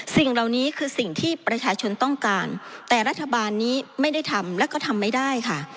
สิ่งเหล่านี้คือสิ่งที่ประชาชนต้องการแต่รัฐบาลนี้ไม่ได้ทำและก็ทำไม่ได้ค่ะ